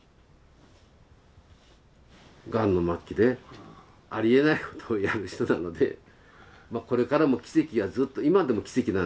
がんの末期でありえないことをやる人なのでまあこれからも奇跡がずっと今でも奇跡なんだけど。